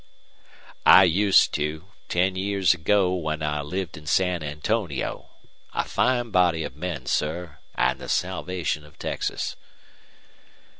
"I used to. Ten years ago when I lived in San Antonio. A fine body of men, sir, and the salvation of Texas."